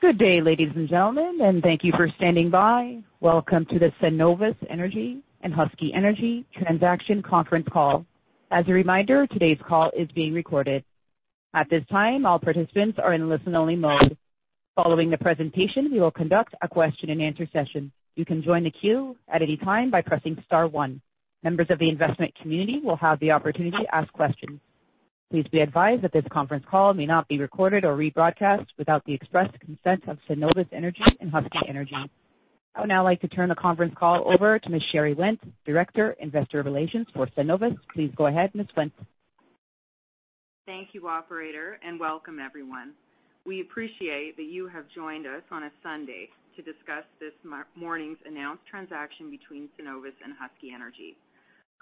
Good day, ladies and gentlemen, and thank you for standing by. Welcome to the Cenovus Energy and Husky Energy Transaction Conference Call. As a reminder, today's call is being recorded. At this time, all participants are in listen-only mode. Following the presentation, we will conduct a question-and-answer session. You can join the queue at any time by pressing star one. Members of the investment community will have the opportunity to ask questions. Please be advised that this conference call may not be recorded or rebroadcast without the expressed consent of Cenovus Energy and Husky Energy. I would now like to turn the conference call over to Ms. Sherry Wendt, Director, Investor Relations for Cenovus. Please go ahead, Ms. Wendt. Thank you, Operator, and welcome, everyone. We appreciate that you have joined us on a Sunday to discuss this morning's announced transaction between Cenovus and Husky Energy.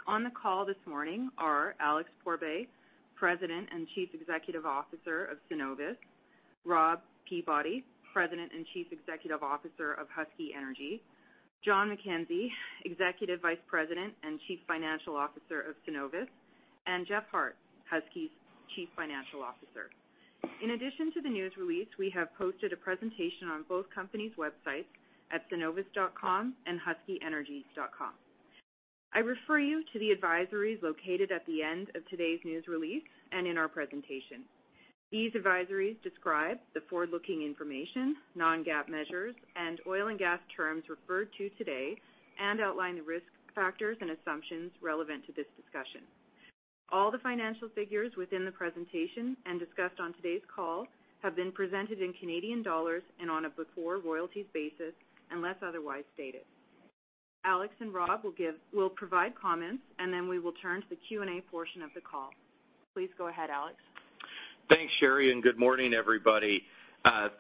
On the call this morning are Alex Pourbaix, President and Chief Executive Officer of Cenovus; Rob Peabody, President and Chief Executive Officer of Husky Energy; Jon McKenzie, Executive Vice President and Chief Financial Officer of Cenovus; and Jeff Hart, Husky's Chief Financial Officer. In addition to the news release, we have posted a presentation on both companies' websites at cenovus.com and huskyenergy.com. I refer you to the advisories located at the end of today's news release and in our presentation. These advisories describe the forward-looking information, non-GAAP measures, and oil and gas terms referred to today, and outline the risk factors and assumptions relevant to this discussion. All the financial figures within the presentation and discussed on today's call have been presented in CAD and on a before royalties basis, unless otherwise stated. Alex and Rob will provide comments, and then we will turn to the Q&A portion of the call. Please go ahead, Alex. Thanks, Sherry, and good morning, everybody.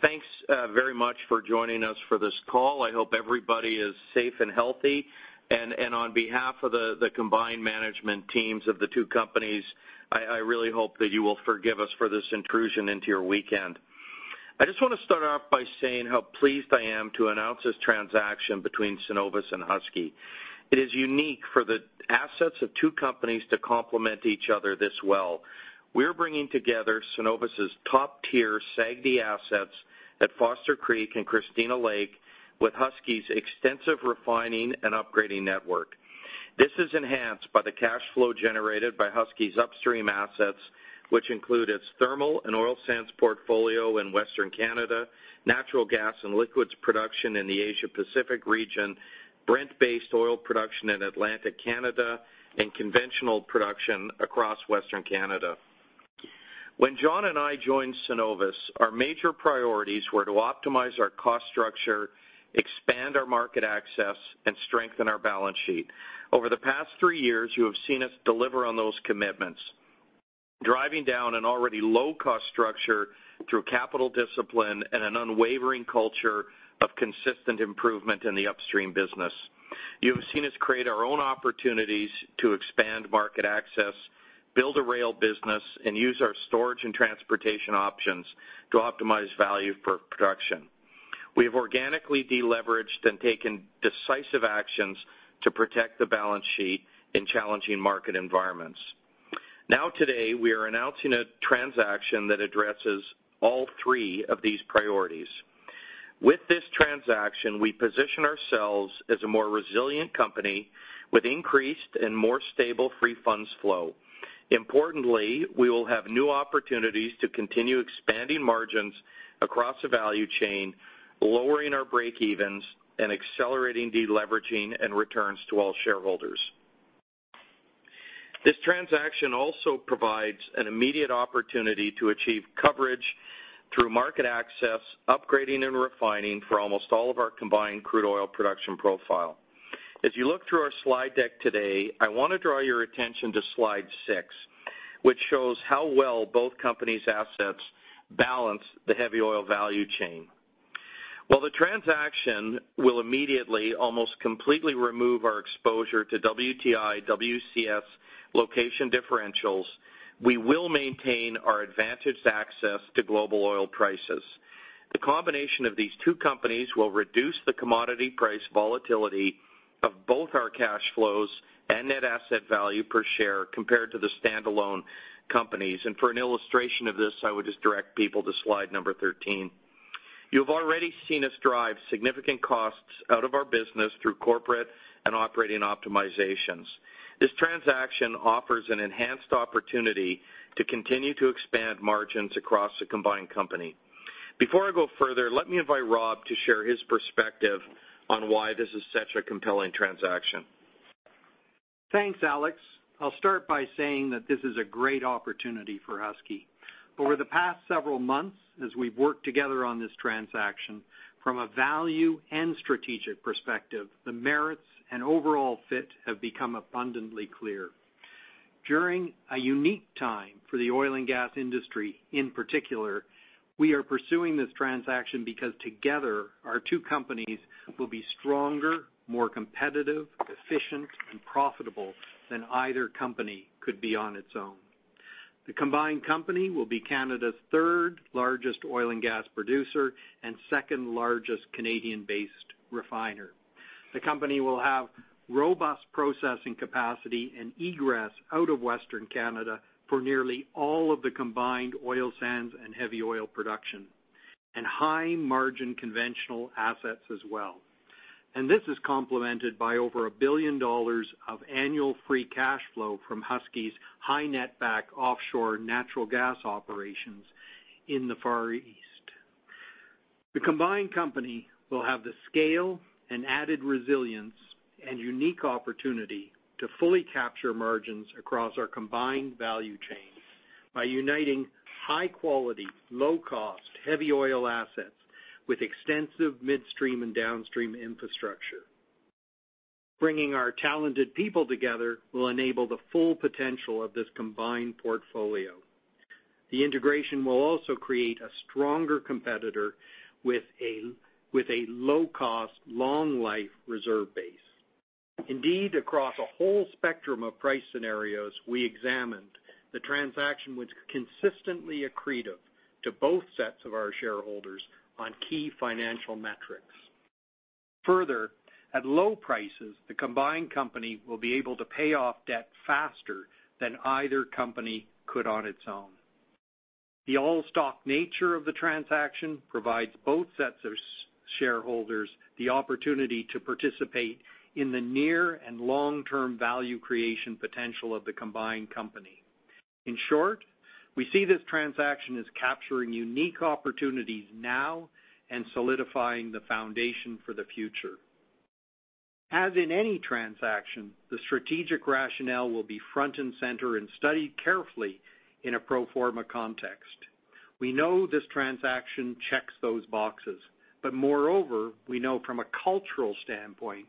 Thanks very much for joining us for this call. I hope everybody is safe and healthy. On behalf of the combined management teams of the two companies, I really hope that you will forgive us for this intrusion into your weekend. I just want to start off by saying how pleased I am to announce this transaction between Cenovus and Husky. It is unique for the assets of two companies to complement each other this well. We're bringing together Cenovus's top-tier SAGD assets at Foster Creek and Christina Lake, with Husky's extensive refining and upgrading network. This is enhanced by the cash flow generated by Husky's upstream assets, which include its thermal and oil sands portfolio in Western Canada, natural gas and liquids production in the Asia-Pacific region, Brent-based oil production in Atlantic Canada, and conventional production across Western Canada. When Jon and I joined Cenovus, our major priorities were to optimize our cost structure, expand our market access, and strengthen our balance sheet. Over the past three years, you have seen us deliver on those commitments, driving down an already low-cost structure through capital discipline and an unwavering culture of consistent improvement in the upstream business. You have seen us create our own opportunities to expand market access, build a rail business, and use our storage and transportation options to optimize value for production. We have organically deleveraged and taken decisive actions to protect the balance sheet in challenging market environments. Now, today, we are announcing a transaction that addresses all three of these priorities. With this transaction, we position ourselves as a more resilient company with increased and more stable free funds flow. Importantly, we will have new opportunities to continue expanding margins across the value chain, lowering our breakevens, and accelerating deleveraging and returns to all shareholders. This transaction also provides an immediate opportunity to achieve coverage through market access, upgrading, and refining for almost all of our combined crude oil production profile. As you look through our slide deck today, I want to draw your attention to slide six, which shows how well both companies' assets balance the heavy oil value chain. While the transaction will immediately, almost completely, remove our exposure to WTI, WCS, location differentials, we will maintain our advantaged access to global oil prices. The combination of these two companies will reduce the commodity price volatility of both our cash flows and net asset value per share compared to the standalone companies. For an illustration of this, I would just direct people to slide number 13. You have already seen us drive significant costs out of our business through corporate and operating optimizations. This transaction offers an enhanced opportunity to continue to expand margins across the combined company. Before I go further, let me invite Rob to share his perspective on why this is such a compelling transaction. Thanks, Alex. I'll start by saying that this is a great opportunity for Husky. Over the past several months, as we've worked together on this transaction, from a value and strategic perspective, the merits and overall fit have become abundantly clear. During a unique time for the oil and gas industry in particular, we are pursuing this transaction because together, our two companies will be stronger, more competitive, efficient, and profitable than either company could be on its own. The combined company will be Canada's third-largest oil and gas producer and second-largest Canadian-based refiner. The company will have robust processing capacity and egress out of Western Canada for nearly all of the combined oil sands and heavy oil production, and high-margin conventional assets as well. This is complemented by over 1 billion dollars of annual free cash flow from Husky's high-netback offshore natural gas operations in the Far East. The combined company will have the scale and added resilience and unique opportunity to fully capture margins across our combined value chain by uniting high-quality, low-cost heavy oil assets with extensive midstream and downstream infrastructure. Bringing our talented people together will enable the full potential of this combined portfolio. The integration will also create a stronger competitor with a low-cost, long-life reserve base. Indeed, across a whole spectrum of price scenarios we examined, the transaction was consistently accretive to both sets of our shareholders on key financial metrics. Further, at low prices, the combined company will be able to pay off debt faster than either company could on its own. The all-stock nature of the transaction provides both sets of shareholders the opportunity to participate in the near and long-term value creation potential of the combined company. In short, we see this transaction as capturing unique opportunities now and solidifying the foundation for the future. As in any transaction, the strategic rationale will be front and center and studied carefully in a pro forma context. We know this transaction checks those boxes. Moreover, we know from a cultural standpoint,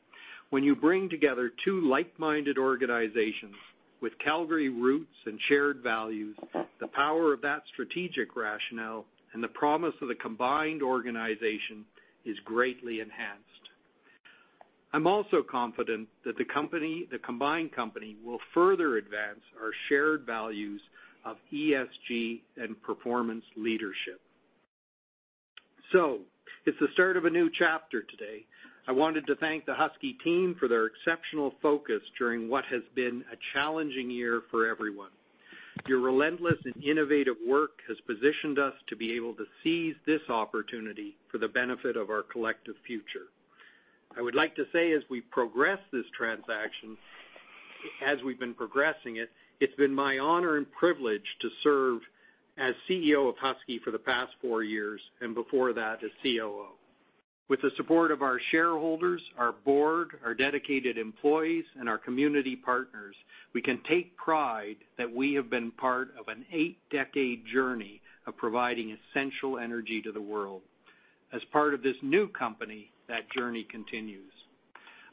when you bring together two like-minded organizations with Calgary roots and shared values, the power of that strategic rationale and the promise of the combined organization is greatly enhanced. I'm also confident that the combined company will further advance our shared values of ESG and performance leadership. It is the start of a new chapter today. I wanted to thank the Husky team for their exceptional focus during what has been a challenging year for everyone. Your relentless and innovative work has positioned us to be able to seize this opportunity for the benefit of our collective future. I would like to say, as we progress this transaction, as we've been progressing it, it's been my honor and privilege to serve as CEO of Husky for the past four years and before that as COO. With the support of our shareholders, our board, our dedicated employees, and our community partners, we can take pride that we have been part of an eight-decade journey of providing essential energy to the world. As part of this new company, that journey continues.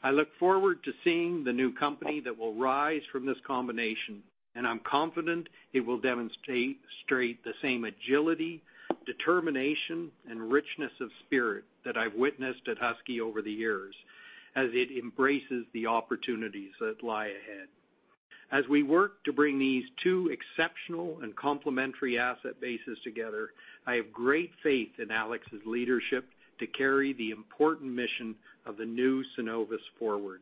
I look forward to seeing the new company that will rise from this combination, and I'm confident it will demonstrate the same agility, determination, and richness of spirit that I've witnessed at Husky over the years as it embraces the opportunities that lie ahead. As we work to bring these two exceptional and complementary asset bases together, I have great faith in Alex's leadership to carry the important mission of the new Cenovus forward.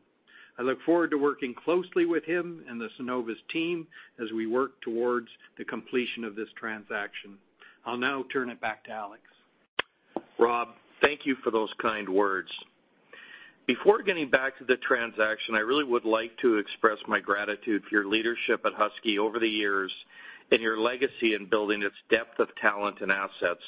I look forward to working closely with him and the Cenovus team as we work towards the completion of this transaction. I'll now turn it back to Alex. Rob, thank you for those kind words. Before getting back to the transaction, I really would like to express my gratitude for your leadership at Husky over the years and your legacy in building its depth of talent and assets.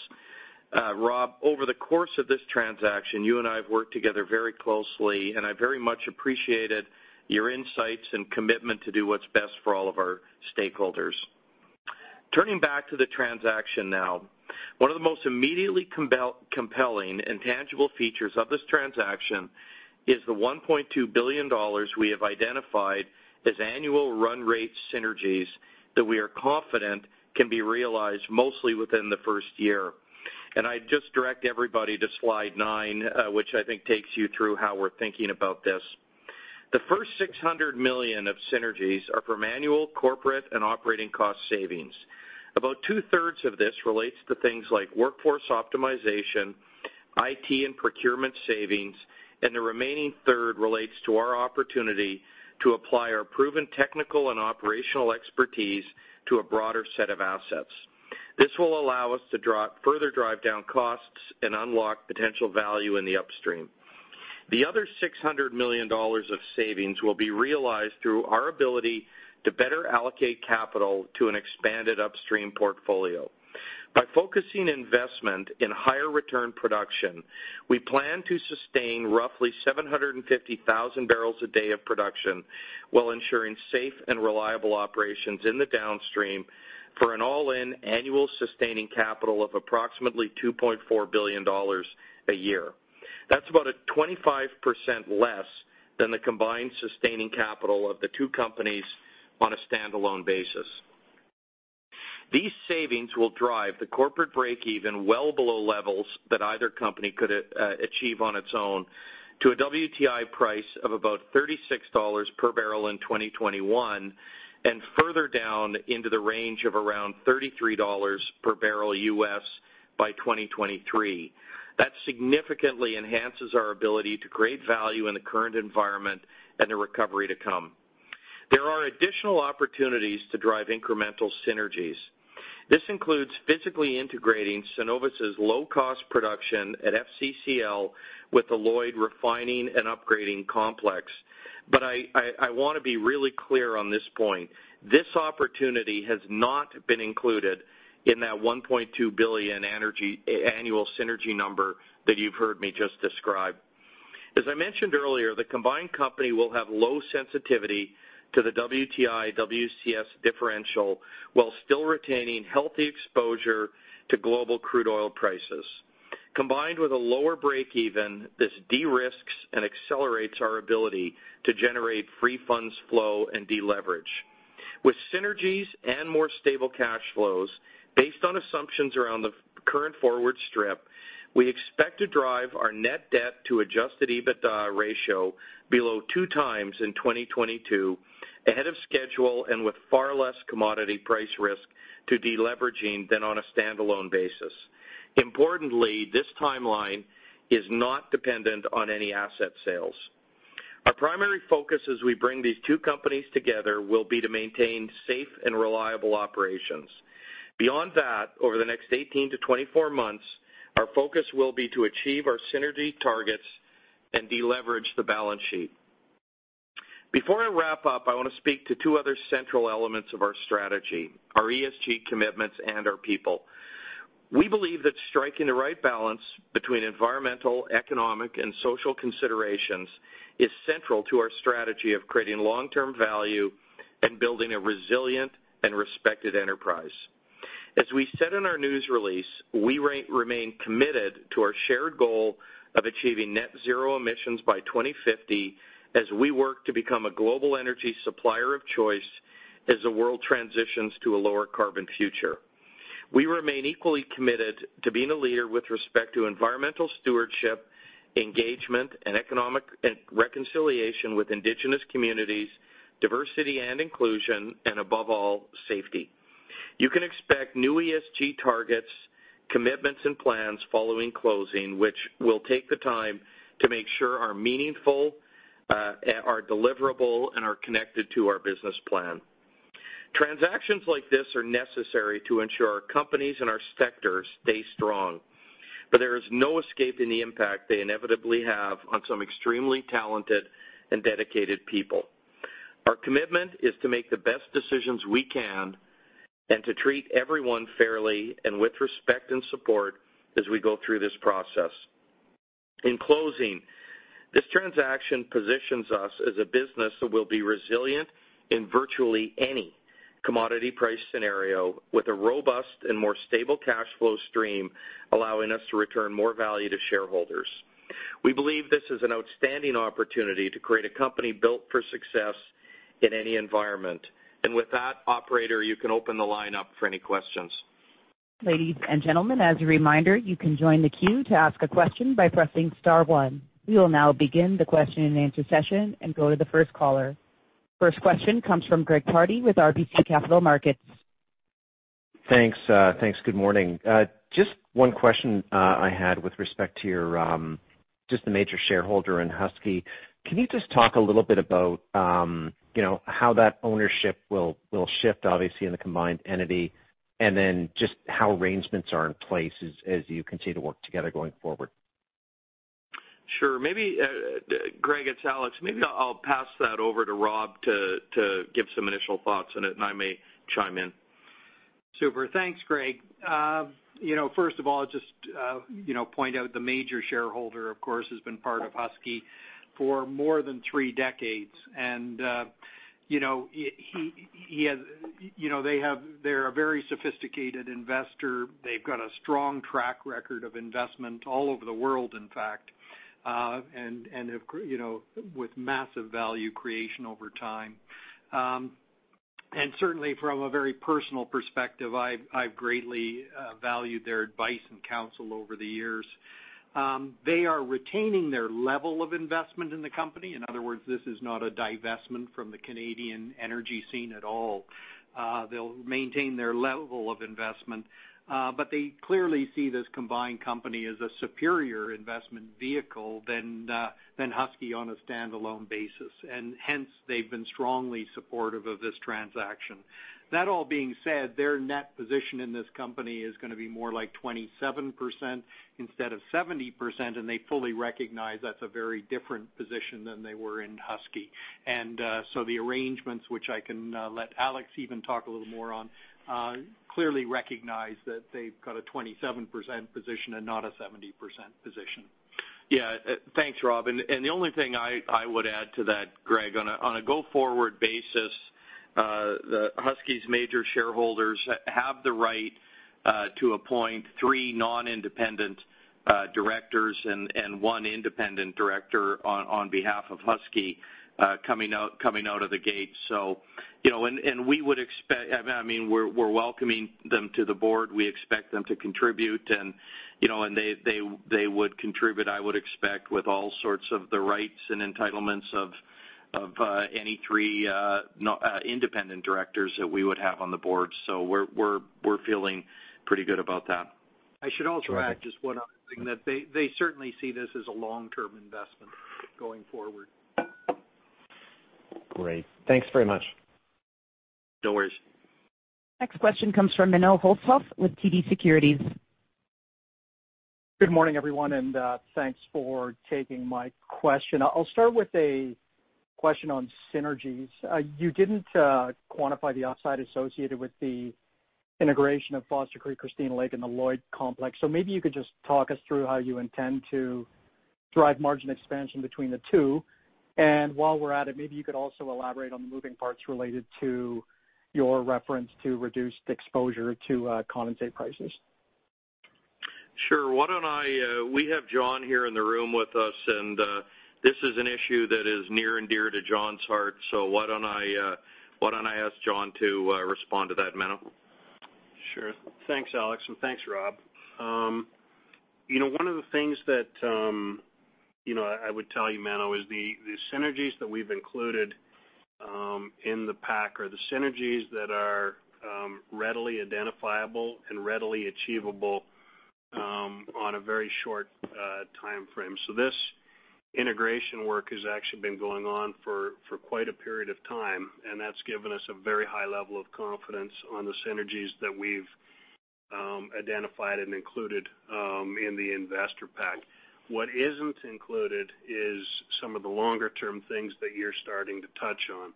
Rob, over the course of this transaction, you and I have worked together very closely, and I very much appreciated your insights and commitment to do what's best for all of our stakeholders. Turning back to the transaction now, one of the most immediately compelling and tangible features of this transaction is the 1.2 billion dollars we have identified as annual run rate synergies that we are confident can be realized mostly within the first year. I just direct everybody to slide nine, which I think takes you through how we're thinking about this. The first 600 million of synergies are from annual corporate and operating cost savings. About two-thirds of this relates to things like workforce optimization, IT and procurement savings, and the remaining third relates to our opportunity to apply our proven technical and operational expertise to a broader set of assets. This will allow us to further drive down costs and unlock potential value in the upstream. The other 600 million dollars of savings will be realized through our ability to better allocate capital to an expanded upstream portfolio. By focusing investment in higher return production, we plan to sustain roughly 750,000 barrels a day of production while ensuring safe and reliable operations in the downstream for an all-in annual sustaining capital of approximately 2.4 billion dollars a year. That's about 25% less than the combined sustaining capital of the two companies on a standalone basis. These savings will drive the corporate breakeven well below levels that either company could achieve on its own to a WTI price of about $36 per barrel in 2021 and further down into the range of around $33 per barrel U.S. by 2023. That significantly enhances our ability to create value in the current environment and the recovery to come. There are additional opportunities to drive incremental synergies. This includes physically integrating Cenovus's low-cost production at FCCL with the Lloyd refining and upgrading complex. I want to be really clear on this point. This opportunity has not been included in that $1.2 billion annual synergy number that you've heard me just describe. As I mentioned earlier, the combined company will have low sensitivity to the WTI, WCS differential while still retaining healthy exposure to global crude oil prices. Combined with a lower breakeven, this de-risks and accelerates our ability to generate free funds flow and deleverage. With synergies and more stable cash flows based on assumptions around the current forward strip, we expect to drive our net debt to adjusted EBITDA ratio below 2 times in 2022 ahead of schedule and with far less commodity price risk to deleveraging than on a standalone basis. Importantly, this timeline is not dependent on any asset sales. Our primary focus as we bring these two companies together will be to maintain safe and reliable operations. Beyond that, over the next 18-24 months, our focus will be to achieve our synergy targets and deleverage the balance sheet. Before I wrap up, I want to speak to two other central elements of our strategy: our ESG commitments and our people. We believe that striking the right balance between environmental, economic, and social considerations is central to our strategy of creating long-term value and building a resilient and respected enterprise. As we said in our news release, we remain committed to our shared goal of achieving net zero emissions by 2050 as we work to become a global energy supplier of choice as the world transitions to a lower-carbon future. We remain equally committed to being a leader with respect to environmental stewardship, engagement, and reconciliation with Indigenous communities, diversity and inclusion, and above all, safety. You can expect new ESG targets, commitments, and plans following closing, which will take the time to make sure are meaningful, are deliverable, and are connected to our business plan. Transactions like this are necessary to ensure our companies and our sector stay strong. There is no escaping the impact they inevitably have on some extremely talented and dedicated people. Our commitment is to make the best decisions we can and to treat everyone fairly and with respect and support as we go through this process. In closing, this transaction positions us as a business that will be resilient in virtually any commodity price scenario with a robust and more stable cash flow stream allowing us to return more value to shareholders. We believe this is an outstanding opportunity to create a company built for success in any environment. With that, operator, you can open the line up for any questions. Ladies and gentlemen, as a reminder, you can join the queue to ask a question by pressing star one. We will now begin the question and answer session and go to the first caller. First question comes from Greg Pardy with RBC Capital Markets. Thanks. Thanks. Good morning. Just one question I had with respect to just the major shareholder in Husky. Can you just talk a little bit about how that ownership will shift, obviously, in the combined entity and then just how arrangements are in place as you continue to work together going forward? Sure. Greg, it's Alex. Maybe I'll pass that over to Rob to give some initial thoughts on it, and I may chime in. Super. Thanks, Greg. First of all, just point out the major shareholder, of course, has been part of Husky for more than three decades. They are a very sophisticated investor. They have got a strong track record of investment all over the world, in fact, and with massive value creation over time. Certainly, from a very personal perspective, I have greatly valued their advice and counsel over the years. They are retaining their level of investment in the company. In other words, this is not a divestment from the Canadian energy scene at all. They will maintain their level of investment. They clearly see this combined company as a superior investment vehicle than Husky on a standalone basis. Hence, they have been strongly supportive of this transaction. That all being said, their net position in this company is going to be more like 27% instead of 70%. They fully recognize that's a very different position than they were in Husky. The arrangements, which I can let Alex even talk a little more on, clearly recognize that they've got a 27% position and not a 70% position. Yeah. Thanks, Rob. The only thing I would add to that, Greg, on a go-forward basis, Husky's major shareholders have the right to appoint three non-independent directors and one independent director on behalf of Husky coming out of the gate. We would expect, I mean, we're welcoming them to the board. We expect them to contribute. They would contribute, I would expect, with all sorts of the rights and entitlements of any three independent directors that we would have on the board. We are feeling pretty good about that. I should also add just one other thing, that they certainly see this as a long-term investment going forward. Great. Thanks very much. No worries. Next question comes from [Manoh Gupta] with TD Securities. Good morning, everyone. Thanks for taking my question. I'll start with a question on synergies. You didn't quantify the upside associated with the integration of Foster Creek, Christina Lake, and the Lloyd complex. Maybe you could just talk us through how you intend to drive margin expansion between the two. While we're at it, maybe you could also elaborate on the moving parts related to your reference to reduced exposure to condensate prices. Sure. We have Jon here in the room with us, and this is an issue that is near and dear to Jon's heart. Why don't I ask Jon to respond to that, Manoh? Sure. Thanks, Alex. Thanks, Rob. One of the things that I would tell you, Manoh, is the synergies that we've included in the pack are the synergies that are readily identifiable and readily achievable on a very short time frame. This integration work has actually been going on for quite a period of time, and that's given us a very high level of confidence on the synergies that we've identified and included in the investor pack. What isn't included is some of the longer-term things that you're starting to touch on.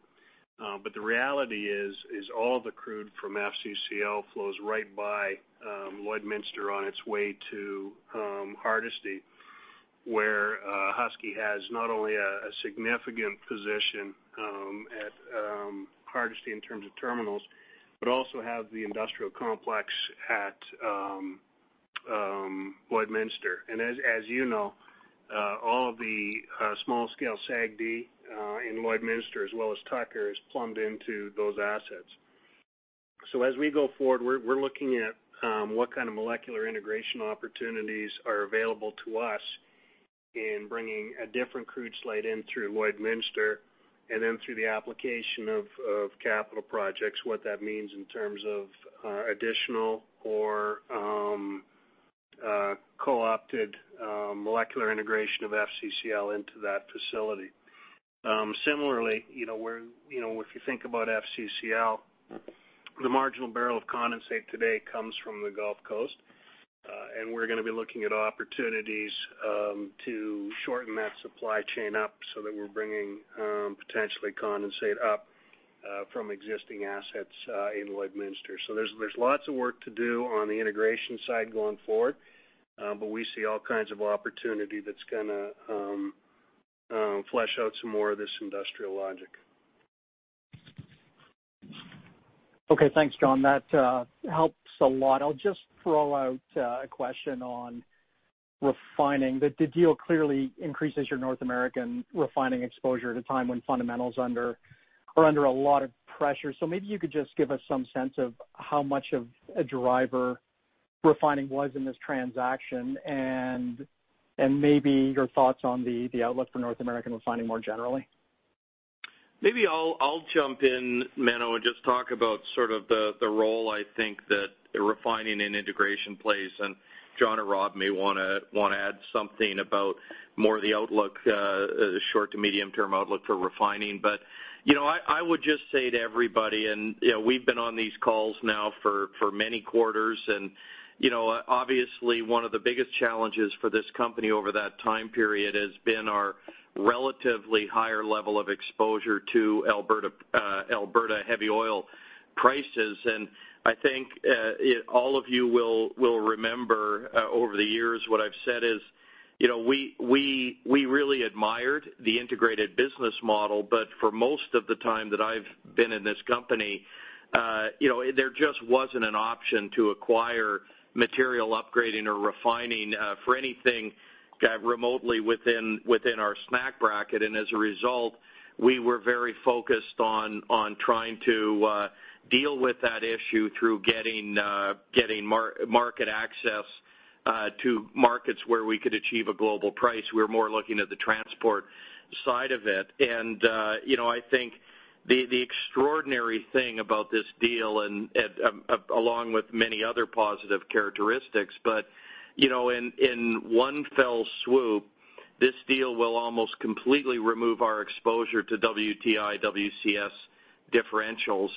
The reality is all of the crude from FCCL flows right by Lloydminster on its way to Hardisty, where Husky has not only a significant position at Hardisty in terms of terminals but also has the industrial complex at Lloydminster. As you know, all of the small-scale SAGD in Lloydminster, as well as Tucker, is plumbed into those assets. As we go forward, we're looking at what kind of molecular integration opportunities are available to us in bringing a different crude slate in through Lloydminster and then through the application of capital projects, what that means in terms of additional or co-opted molecular integration of FCCL into that facility. Similarly, if you think about FCCL, the marginal barrel of condensate today comes from the Gulf Coast. We're going to be looking at opportunities to shorten that supply chain up so that we're bringing potentially condensate up from existing assets in Lloydminster. There is lots of work to do on the integration side going forward, but we see all kinds of opportunity that's going to flesh out some more of this industrial logic. Okay. Thanks, John. That helps a lot. I'll just throw out a question on refining. The deal clearly increases your North American refining exposure at a time when fundamentals are under a lot of pressure. Maybe you could just give us some sense of how much of a driver refining was in this transaction and maybe your thoughts on the outlook for North American refining more generally. Maybe I'll jump in, Manohj, and just talk about sort of the role, I think, that refining and integration plays. John or Rob may want to add something about more of the short to medium-term outlook for refining. I would just say to everybody, we've been on these calls now for many quarters. Obviously, one of the biggest challenges for this company over that time period has been our relatively higher level of exposure to Alberta heavy oil prices. I think all of you will remember over the years what I've said is we really admired the integrated business model. For most of the time that I've been in this company, there just wasn't an option to acquire material upgrading or refining for anything remotely within our smack bracket. As a result, we were very focused on trying to deal with that issue through getting market access to markets where we could achieve a global price. We were more looking at the transport side of it. I think the extraordinary thing about this deal, along with many other positive characteristics, is that in one fell swoop, this deal will almost completely remove our exposure to WTI, WCS differentials.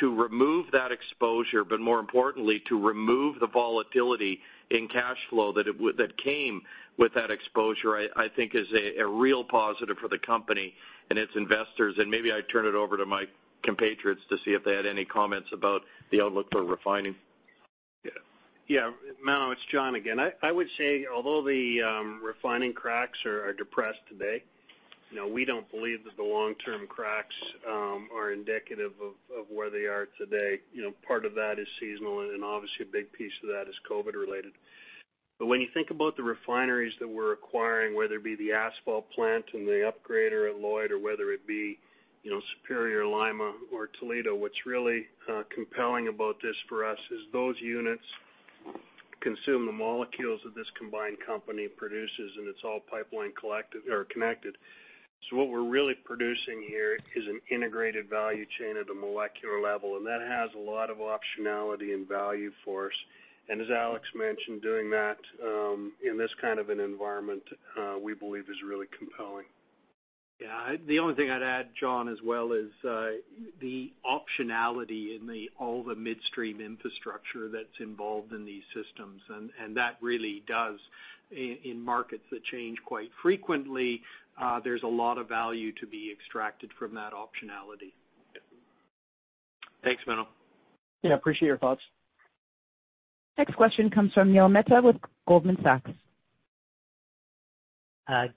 To remove that exposure, but more importantly, to remove the volatility in cash flow that came with that exposure, I think, is a real positive for the company and its investors. Maybe I turn it over to my compatriots to see if they had any comments about the outlook for refining. Yeah. Manoh, it's Jon again. I would say, although the refining cracks are depressed today, we don't believe that the long-term cracks are indicative of where they are today. Part of that is seasonal, and obviously, a big piece of that is COVID-related. When you think about the refineries that we're acquiring, whether it be the asphalt plant and the upgrader at Lloyd, or whether it be Superior, Lima, or Toledo, what's really compelling about this for us is those units consume the molecules that this combined company produces, and it's all pipeline-connected. What we're really producing here is an integrated value chain at a molecular level. That has a lot of optionality and value for us. As Alex mentioned, doing that in this kind of an environment, we believe, is really compelling. Yeah. The only thing I'd add, John, as well, is the optionality in all the midstream infrastructure that's involved in these systems. That really does, in markets that change quite frequently, there's a lot of value to be extracted from that optionality. Thanks, Manoh. Yeah. Appreciate your thoughts. Next question comes from Neil Mehta with Goldman Sachs.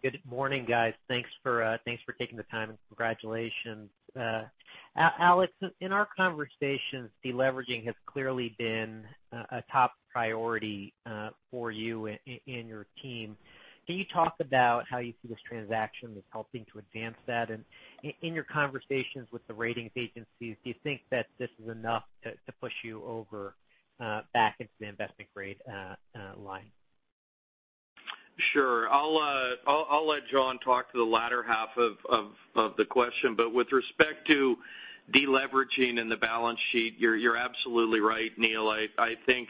Good morning, guys. Thanks for taking the time, and congratulations. Alex, in our conversations, deleveraging has clearly been a top priority for you and your team. Can you talk about how you see this transaction as helping to advance that? In your conversations with the ratings agencies, do you think that this is enough to push you over back into the investment-grade line? Sure. I'll let Jon talk to the latter half of the question. With respect to deleveraging and the balance sheet, you're absolutely right, Neil. I think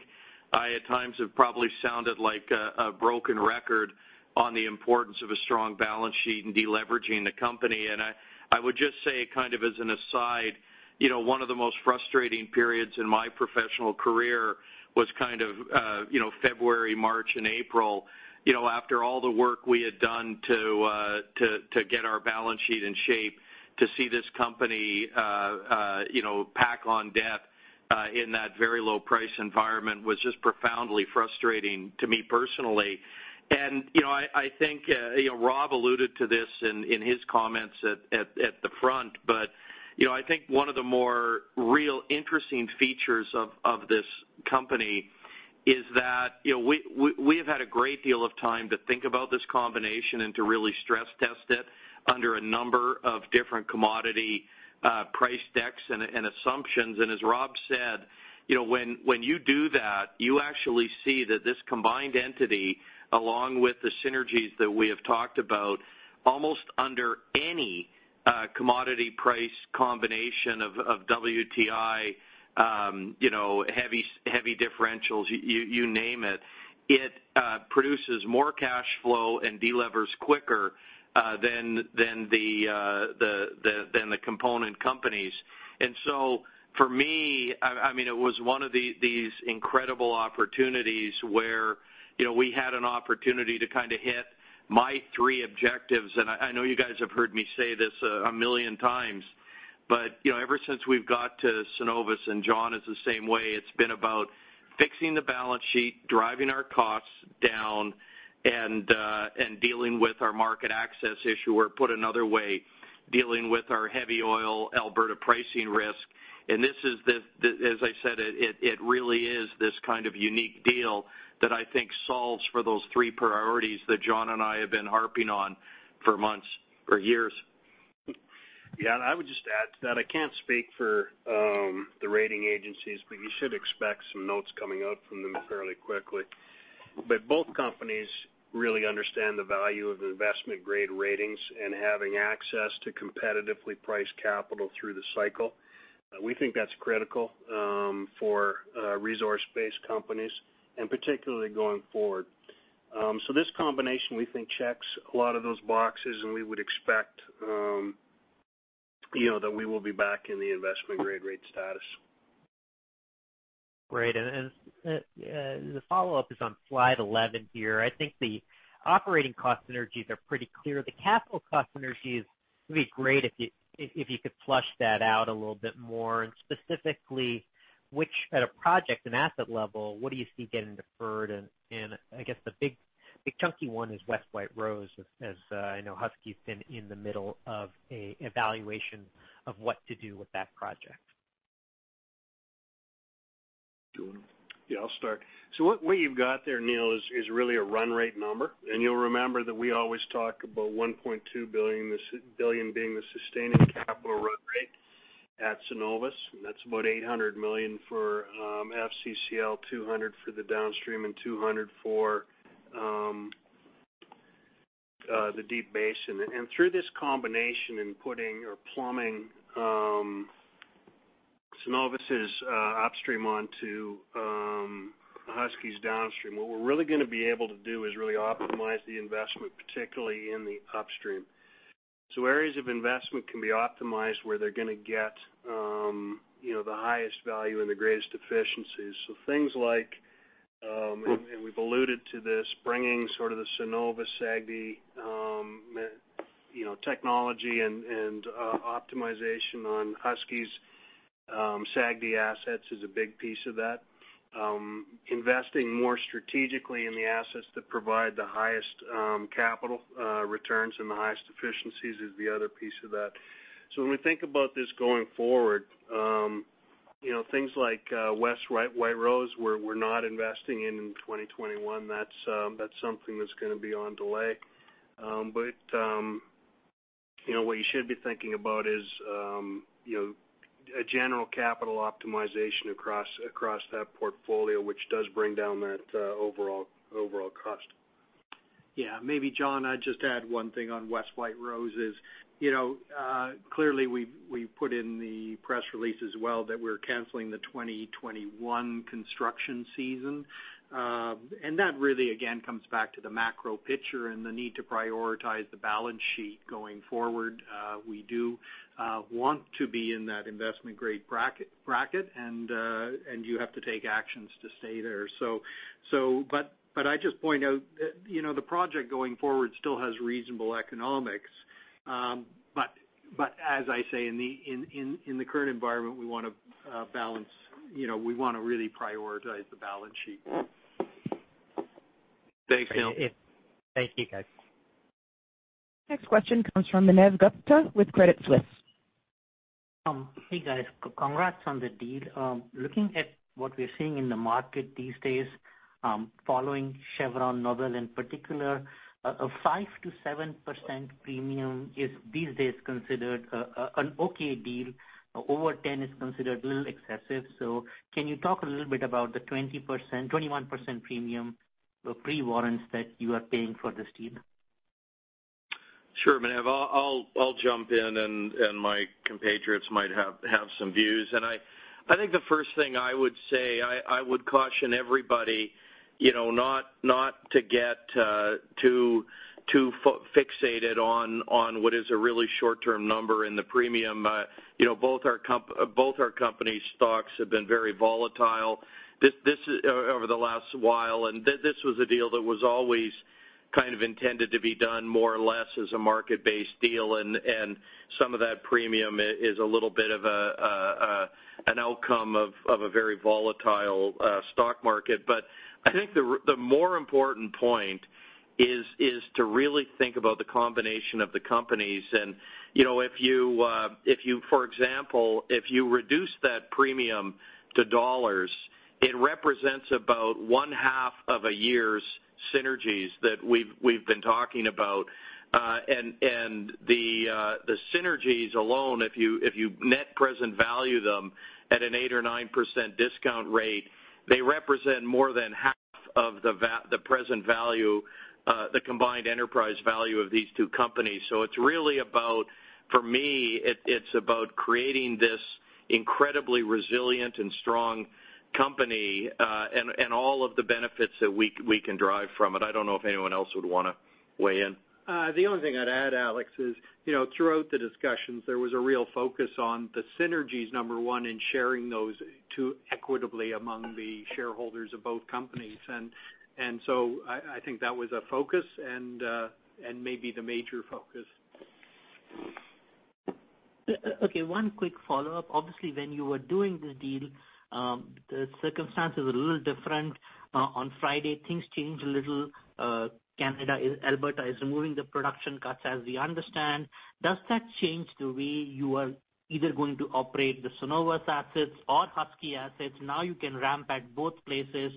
I, at times, have probably sounded like a broken record on the importance of a strong balance sheet and deleveraging the company. I would just say, kind of as an aside, one of the most frustrating periods in my professional career was kind of February, March, and April. After all the work we had done to get our balance sheet in shape, to see this company pack on debt in that very low-priced environment was just profoundly frustrating to me personally. I think Rob alluded to this in his comments at the front. I think one of the more real interesting features of this company is that we have had a great deal of time to think about this combination and to really stress test it under a number of different commodity price decks and assumptions. As Rob said, when you do that, you actually see that this combined entity, along with the synergies that we have talked about, almost under any commodity price combination of WTI, heavy differentials, you name it, it produces more cash flow and delivers quicker than the component companies. For me, I mean, it was one of these incredible opportunities where we had an opportunity to kind of hit my three objectives. I know you guys have heard me say this a million times. Ever since we have got to Cenovus, and Jon is the same way, it has been about fixing the balance sheet, driving our costs down, and dealing with our market access issue, or put another way, dealing with our heavy oil Alberta pricing risk. This is, as I said, it really is this kind of unique deal that I think solves for those three priorities that Jon and I have been harping on for months or years. Yeah. I would just add to that. I can't speak for the rating agencies, but you should expect some notes coming out from them fairly quickly. Both companies really understand the value of investment-grade ratings and having access to competitively priced capital through the cycle. We think that's critical for resource-based companies, particularly going forward. This combination, we think, checks a lot of those boxes, and we would expect that we will be back in the investment-grade rate status. Great. The follow-up is on slide 11 here. I think the operating cost synergies are pretty clear. The capital cost synergies would be great if you could flush that out a little bit more. Specifically, at a project and asset level, what do you see getting deferred? I guess the big chunky one is West White Rose, as I know Husky's been in the middle of an evaluation of what to do with that project. Yeah. I'll start. What you've got there, Neil, is really a run rate number. You'll remember that we always talk about 1.2 billion, this billion being the sustaining capital run rate at Cenovus. That's about 800 million for FCCL, 200 million for the downstream, and 200 million for the Deep Basin. Through this combination and putting or plumbing Cenovus's upstream onto Husky's downstream, what we're really going to be able to do is really optimize the investment, particularly in the upstream. Areas of investment can be optimized where they're going to get the highest value and the greatest efficiencies. Things like, and we've alluded to this, bringing sort of the Cenovus SAGD technology and optimization on Husky's SAGD assets is a big piece of that. Investing more strategically in the assets that provide the highest capital returns and the highest efficiencies is the other piece of that. When we think about this going forward, things like West White Rose, we're not investing in in 2021. That's something that's going to be on delay. What you should be thinking about is a general capital optimization across that portfolio, which does bring down that overall cost. Yeah. Maybe, Jon, I'd just add one thing on West White Rose is clearly we've put in the press release as well that we're canceling the 2021 construction season. That really, again, comes back to the macro picture and the need to prioritize the balance sheet going forward. We do want to be in that investment-grade bracket, and you have to take actions to stay there. I just point out that the project going forward still has reasonable economics. As I say, in the current environment, we want to balance, we want to really prioritize the balance sheet. Thanks, Neil. Thank you, guys. Next question comes from Manav Gupta with Credit Suisse. Hey, guys. Congrats on the deal. Looking at what we're seeing in the market these days, following Chevron Noble in particular, a 5%-7% premium is these days considered an okay deal. Over 10% is considered a little excessive. Can you talk a little bit about the 21% premium pre-warrants that you are paying for this deal? Sure. I'll jump in, and my compatriots might have some views. I think the first thing I would say, I would caution everybody not to get too fixated on what is a really short-term number in the premium. Both our companies' stocks have been very volatile over the last while. This was a deal that was always kind of intended to be done more or less as a market-based deal. Some of that premium is a little bit of an outcome of a very volatile stock market. I think the more important point is to really think about the combination of the companies. If you, for example, reduce that premium to dollars, it represents about one half of a year's synergies that we've been talking about. The synergies alone, if you net present value them at an 8% or 9% discount rate, they represent more than half of the present value, the combined enterprise value of these two companies. It is really about, for me, it is about creating this incredibly resilient and strong company and all of the benefits that we can drive from it. I do not know if anyone else would want to weigh in. The only thing I'd add, Alex, is throughout the discussions, there was a real focus on the synergies, number one, and sharing those equitably among the shareholders of both companies. I think that was a focus and maybe the major focus. Okay. One quick follow-up. Obviously, when you were doing the deal, the circumstances were a little different. On Friday, things changed a little. Alberta is removing the production cuts as we understand. Does that change the way you are either going to operate the Cenovus assets or Husky assets? Now you can ramp at both places.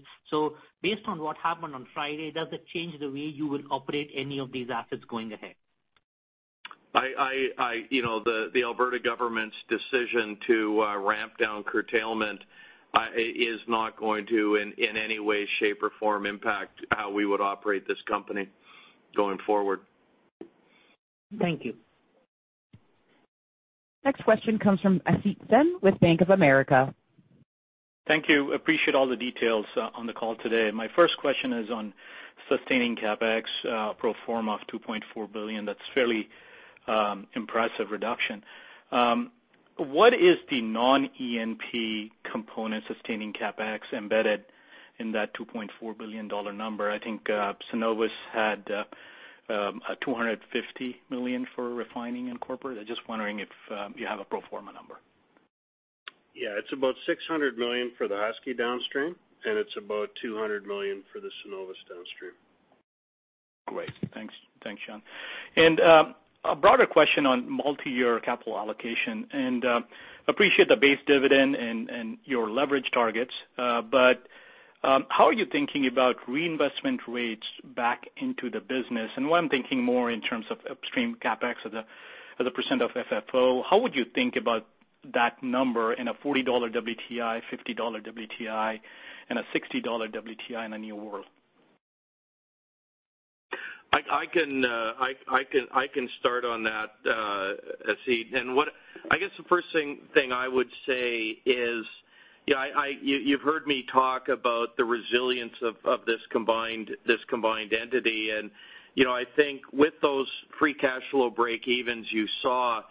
Based on what happened on Friday, does it change the way you will operate any of these assets going ahead? The Alberta government's decision to ramp down curtailment is not going to, in any way, shape, or form, impact how we would operate this company going forward. Thank you. Next question comes from Asit Sen with Bank of America. Thank you. Appreciate all the details on the call today. My first question is on sustaining CapEx pro forma of 2.4 billion. That's a fairly impressive reduction. What is the non-E&P component sustaining CapEx embedded in that 2.4 billion dollar number? I think Cenovus had 250 million for refining and corporate? I'm just wondering if you have a pro forma number. Yeah. It's about 600 million for the Husky downstream, and it's about 200 million for the Cenovus downstream. Great. Thanks, Jon. A broader question on multi-year capital allocation. I appreciate the base dividend and your leverage targets. How are you thinking about reinvestment rates back into the business? I'm thinking more in terms of upstream CapEx as a pecent of FFO. How would you think about that number in a $40 WTI, $50 WTI, and a $60 WTI in a new world? I can start on that, Asit. The first thing I would say is, yeah, you've heard me talk about the resilience of this combined entity. I think with those free cash flow break-evens you saw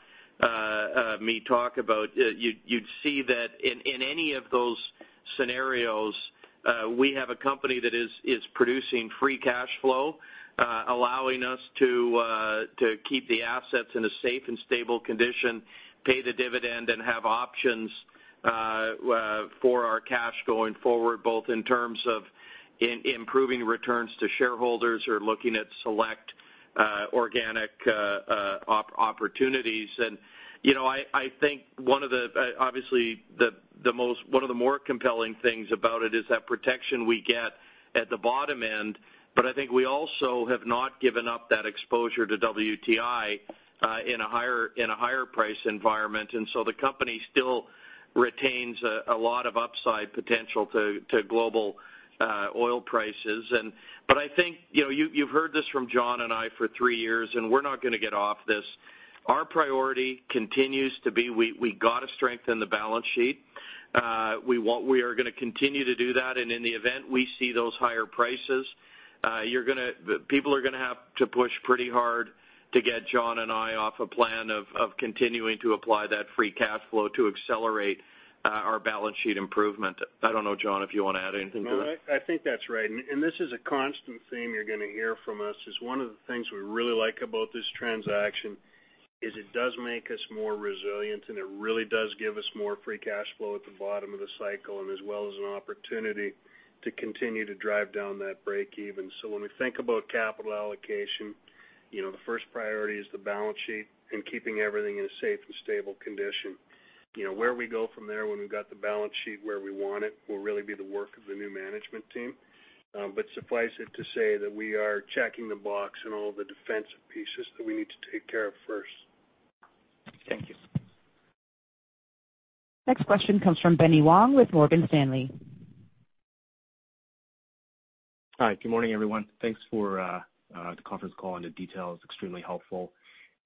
me talk about, you'd see that in any of those scenarios, we have a company that is producing free cash flow, allowing us to keep the assets in a safe and stable condition, pay the dividend, and have options for our cash going forward, both in terms of improving returns to shareholders or looking at select organic opportunities. I think one of the, obviously, one of the more compelling things about it is that protection we get at the bottom end. I think we also have not given up that exposure to WTI in a higher price environment. The company still retains a lot of upside potential to global oil prices. I think you have heard this from Jon and I for three years, and we are not going to get off this. Our priority continues to be we have to strengthen the balance sheet. We are going to continue to do that. In the event we see those higher prices, people are going to have to push pretty hard to get Jon and I off a plan of continuing to apply that free cash flow to accelerate our balance sheet improvement. I do not know, Jon, if you want to add anything to that. No, I think that's right. This is a constant theme you're going to hear from us. One of the things we really like about this transaction is it does make us more resilient, and it really does give us more free cash flow at the bottom of the cycle, as well as an opportunity to continue to drive down that break-even. When we think about capital allocation, the first priority is the balance sheet and keeping everything in a safe and stable condition. Where we go from there when we've got the balance sheet where we want it will really be the work of the new management team. Suffice it to say that we are checking the box on all the defensive pieces that we need to take care of first. Thank you. Next question comes from Benny Wong with Morgan Stanley. Hi. Good morning, everyone. Thanks for the conference call and the details. Extremely helpful.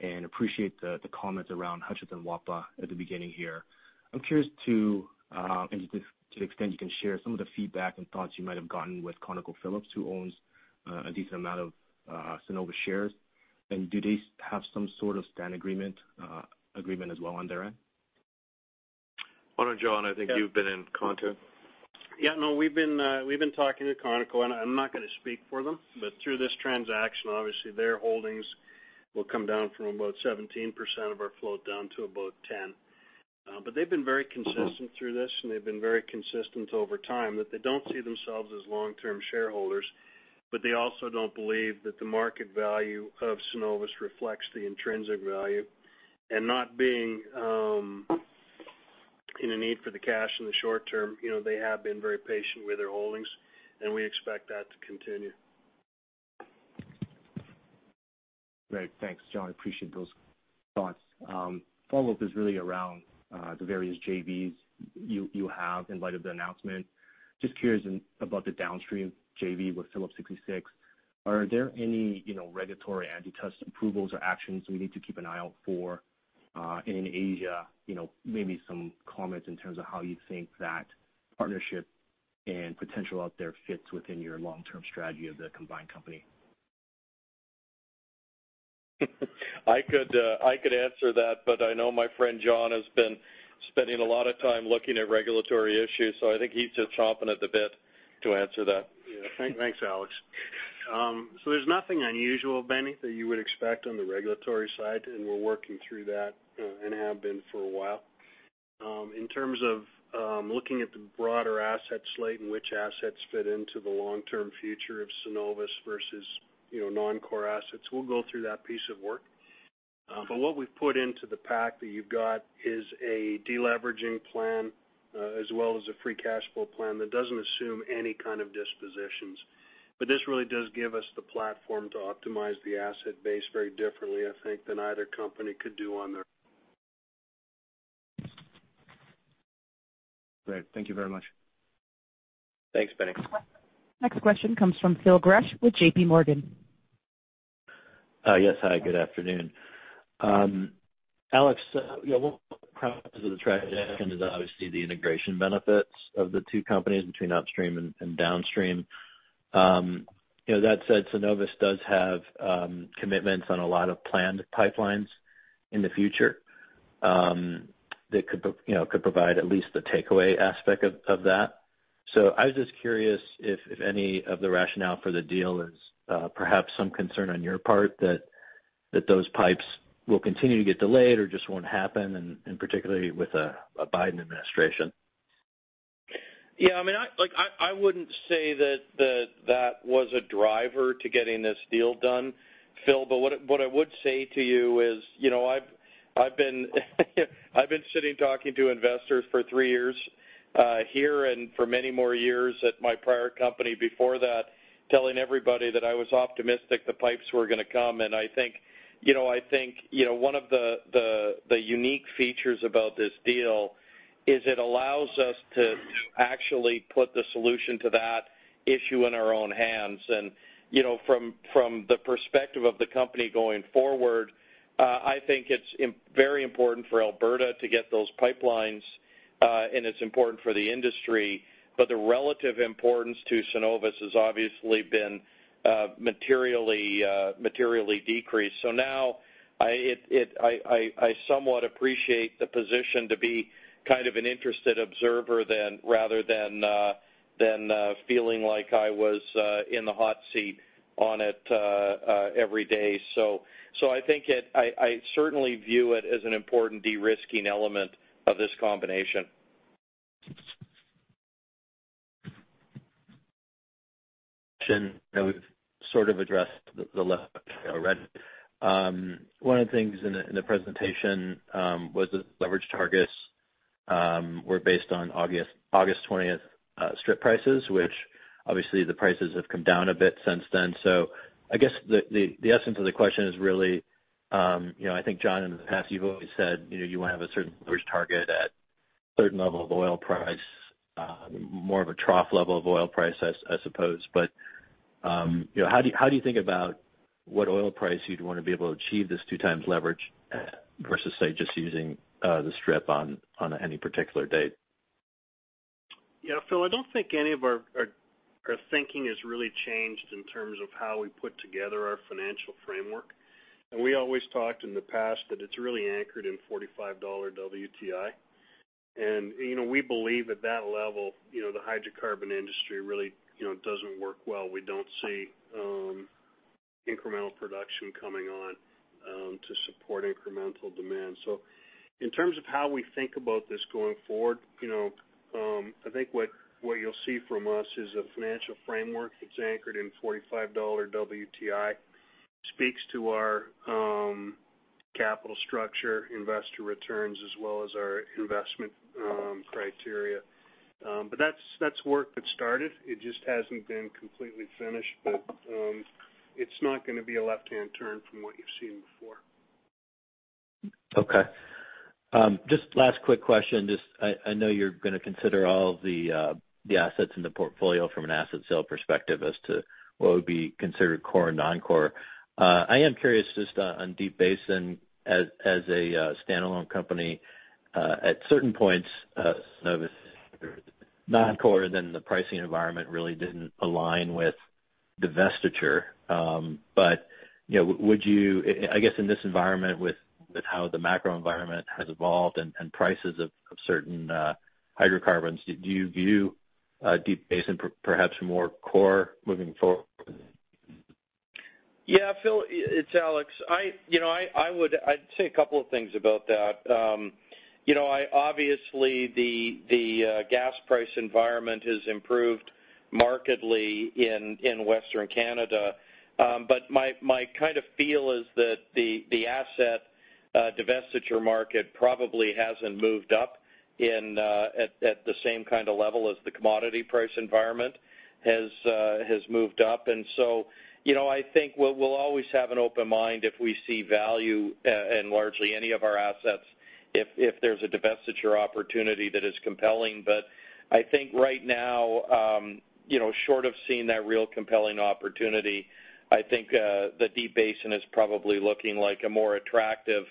I appreciate the comments around Husky and WAPA at the beginning here. I'm curious, to the extent you can share, some of the feedback and thoughts you might have gotten with ConocoPhillips, who owns a decent amount of Cenovus shares. Do they have some sort of stand agreement as well on their end? Hold on, Jon. I think you've been in contact. Yeah. No, we've been talking to ConocoPhillips. I'm not going to speak for them. Through this transaction, obviously, their holdings will come down from about 17% of our float down to about 10%. They have been very consistent through this, and they have been very consistent over time that they do not see themselves as long-term shareholders. They also do not believe that the market value of Cenovus reflects the intrinsic value. Not being in a need for the cash in the short term, they have been very patient with their holdings, and we expect that to continue. Great. Thanks, Jon. I appreciate those thoughts. Follow-up is really around the various JVs you have in light of the announcement. Just curious about the downstream JV with Phillips 66. Are there any regulatory antitrust approvals or actions we need to keep an eye out for? In Asia, maybe some comments in terms of how you think that partnership and potential out there fits within your long-term strategy of the combined company. I could answer that, but I know my friend Jon has been spending a lot of time looking at regulatory issues. I think he's just chomping at the bit to answer that. Yeah. Thanks, Alex. There is nothing unusual, Benny, that you would expect on the regulatory side. We are working through that and have been for a while. In terms of looking at the broader asset slate and which assets fit into the long-term future of Cenovus versus non-core assets, we will go through that piece of work. What we have put into the pack that you have is a deleveraging plan as well as a free cash flow plan that does not assume any kind of dispositions. This really does give us the platform to optimize the asset base very differently, I think, than either company could do on their own. Great. Thank you very much. Thanks, Benny. Next question comes from Phil Grush with JP Morgan. Yes. Hi. Good afternoon. Alex, one of the tragedies is obviously the integration benefits of the two companies between upstream and downstream. That said, Cenovus does have commitments on a lot of planned pipelines in the future that could provide at least the takeaway aspect of that. I was just curious if any of the rationale for the deal is perhaps some concern on your part that those pipes will continue to get delayed or just will not happen, particularly with a Biden administration. Yeah. I mean, I would not say that that was a driver to getting this deal done, Phil. What I would say to you is I have been sitting talking to investors for three years here and for many more years at my prior company before that, telling everybody that I was optimistic the pipes were going to come. I think one of the unique features about this deal is it allows us to actually put the solution to that issue in our own hands. From the perspective of the company going forward, I think it's very important for Alberta to get those pipelines, and it's important for the industry. The relative importance to Cenovus has obviously been materially decreased. I somewhat appreciate the position to be kind of an interested observer rather than feeling like I was in the hot seat on it every day. I certainly view it as an important de-risking element of this combination. Question that we've sort of addressed a little bit already. One of the things in the presentation was that the leverage targets were based on August 20th strip prices, which obviously the prices have come down a bit since then. I guess the essence of the question is really, I think, Jon, in the past, you've always said you want to have a certain leverage target at a certain level of oil price, more of a trough level of oil price, I suppose. How do you think about what oil price you'd want to be able to achieve this two-times leverage versus, say, just using the strip on any particular date? Yeah. Phil, I do not think any of our thinking has really changed in terms of how we put together our financial framework. We always talked in the past that it is really anchored in $45 WTI. We believe at that level, the hydrocarbon industry really does not work well. We do not see incremental production coming on to support incremental demand. In terms of how we think about this going forward, I think what you will see from us is a financial framework that is anchored in $45 WTI, speaks to our capital structure, investor returns, as well as our investment criteria. That is work that started. It just has not been completely finished. It is not going to be a left-hand turn from what you have seen before. Okay. Just last quick question. I know you're going to consider all the assets in the portfolio from an asset sale perspective as to what would be considered core and non-core. I am curious just on Deep Basin, and as a standalone company, at certain points, Cenovus is non-core, and then the pricing environment really didn't align with the divestiture. Do you, I guess, in this environment with how the macro environment has evolved and prices of certain hydrocarbons, do you view Deep Basin as perhaps more core moving forward? Yeah. Phil, it's Alex. I'd say a couple of things about that. Obviously, the gas price environment has improved markedly in Western Canada. My kind of feel is that the asset divestiture market probably hasn't moved up at the same kind of level as the commodity price environment has moved up. I think we'll always have an open mind if we see value in largely any of our assets if there's a divestiture opportunity that is compelling. I think right now, short of seeing that real compelling opportunity, I think the Deep Basin is probably looking like a more attractive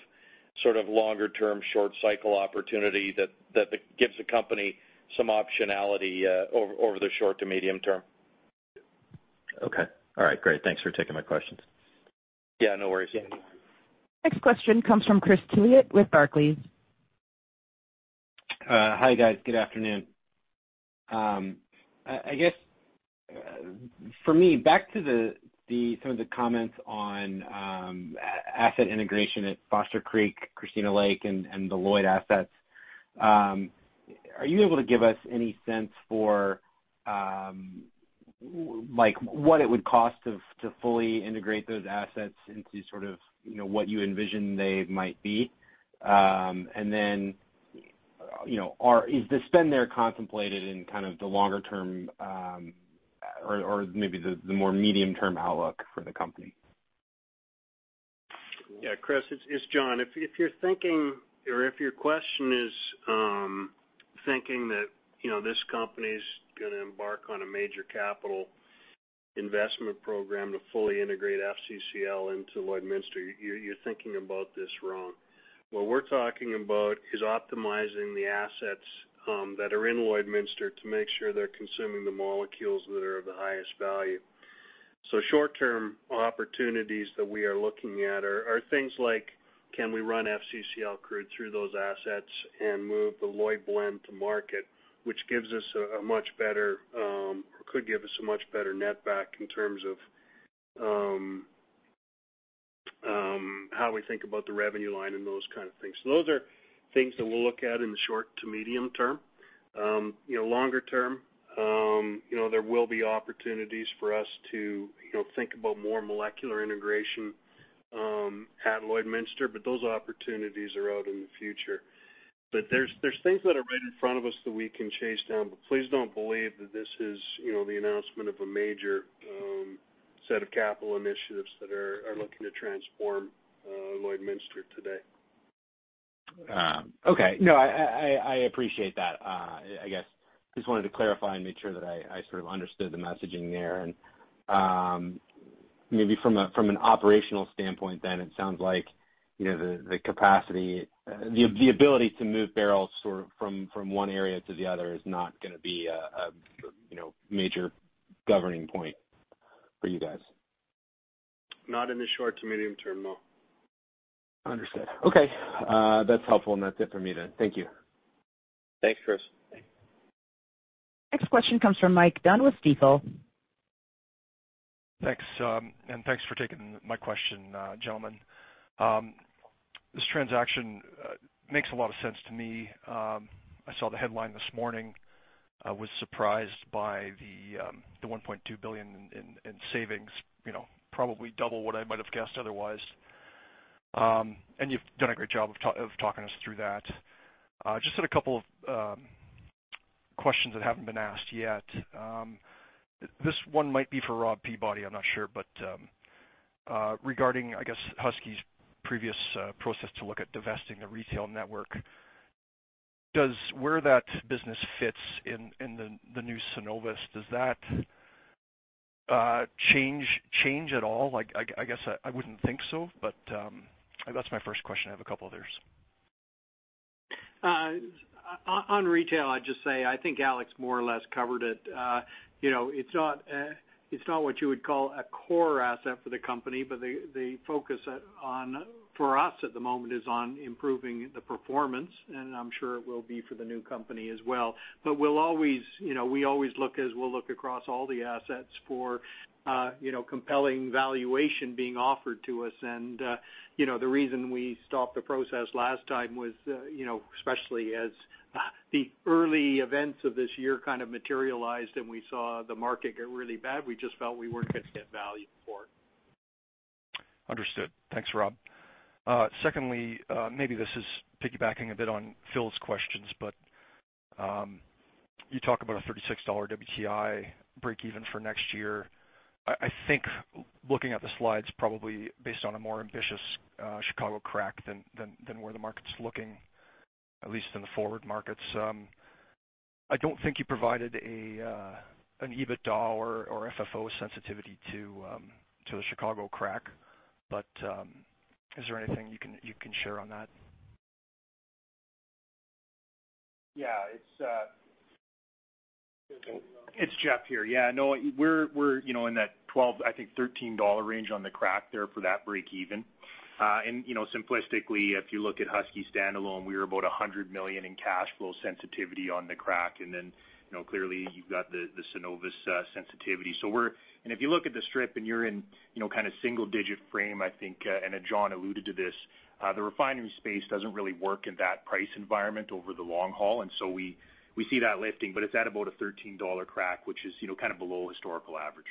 sort of longer-term, short-cycle opportunity that gives the company some optionality over the short to medium term. Okay. All right. Great. Thanks for taking my questions. Yeah. No worries. Next question comes from Chris Tillot with Barclays. Hi, guys. Good afternoon. I guess for me, back to some of the comments on asset integration at Foster Creek, Christina Lake, and Deloitte assets, are you able to give us any sense for what it would cost to fully integrate those assets into sort of what you envision they might be? Is the spend there contemplated in kind of the longer-term or maybe the more medium-term outlook for the company? Yeah. Chris, it's Jon. If you're thinking or if your question is thinking that this company's going to embark on a major capital investment program to fully integrate FCCL into Lloydminster, you're thinking about this wrong. What we're talking about is optimizing the assets that are in Lloydminster to make sure they're consuming the molecules that are of the highest value. Short-term opportunities that we are looking at are things like, can we run FCCL crude through those assets and move the Lloydblend to market, which gives us a much better or could give us a much better net back in terms of how we think about the revenue line and those kind of things. Those are things that we'll look at in the short to medium term. Longer term, there will be opportunities for us to think about more molecular integration at Lloydminster, but those opportunities are out in the future. There are things that are right in front of us that we can chase down. Please do not believe that this is the announcement of a major set of capital initiatives that are looking to transform Lloydminster today. Okay. No, I appreciate that. I guess just wanted to clarify and make sure that I sort of understood the messaging there. Maybe from an operational standpoint, then, it sounds like the capacity, the ability to move barrels from one area to the other is not going to be a major governing point for you guys. Not in the short to medium term, no. Understood. Okay. That is helpful. That is it for me then. Thank you. Thanks, Chris. Next question comes from Mike Dunn with [Depot]. Thanks. Thanks for taking my question, gentlemen. This transaction makes a lot of sense to me. I saw the headline this morning. I was surprised by the 1.2 billion in savings, probably double what I might have guessed otherwise. You have done a great job of talking us through that. I just had a couple of questions that have not been asked yet. This one might be for Rob Peabody. I am not sure. Regarding, I guess, Husky's previous process to look at divesting the retail network, where that business fits in the new Cenovus, does that change at all? I guess I would not think so. That is my first question. I have a couple others. On retail, I'd just say I think Alex more or less covered it. It's not what you would call a core asset for the company, but the focus for us at the moment is on improving the performance. I'm sure it will be for the new company as well. We always look as we'll look across all the assets for compelling valuation being offered to us. The reason we stopped the process last time was especially as the early events of this year kind of materialized and we saw the market get really bad, we just felt we weren't going to get value for it. Understood. Thanks, Rob. Secondly, maybe this is piggybacking a bit on Phil's questions, but you talk about a $36 WTI breakeven for next year. I think looking at the slides, probably based on a more ambitious Chicago crack than where the market's looking, at least in the forward markets. I do not think you provided an EBITDA or FFO sensitivity to the Chicago crack. Is there anything you can share on that? Yeah. It's Jeff here. Yeah. No, we're in that $12, I think, $13 range on the crack there for that breakeven. And simplistically, if you look at Husky standalone, we were about $100 million in cash flow sensitivity on the crack. And then clearly, you've got the Cenovus sensitivity. If you look at the strip and you're in kind of single-digit frame, I think, and Jon alluded to this, the refinery space doesn't really work in that price environment over the long haul. We see that lifting. It's at about a $13 crack, which is kind of below historical average.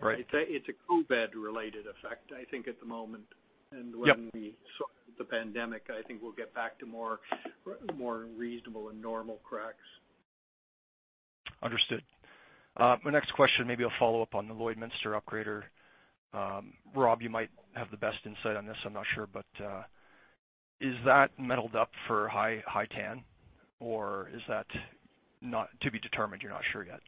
Right. It's a COVID-related effect, I think, at the moment. When we sort of hit the pandemic, I think we'll get back to more reasonable and normal cracks. Understood. My next question, maybe a follow-up on the Lloydminster upgrader. Rob, you might have the best insight on this. I'm not sure. Is that meddled up for high tan, or is that not to be determined? You're not sure yet?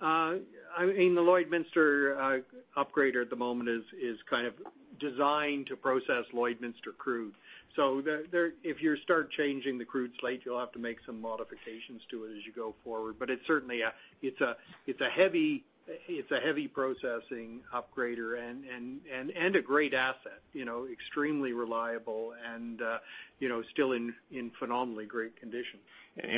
I mean, the Lloydminster upgrader at the moment is kind of designed to process Lloydminster crude. If you start changing the crude slate, you'll have to make some modifications to it as you go forward. It is certainly a heavy processing upgrader and a great asset, extremely reliable and still in phenomenally great condition.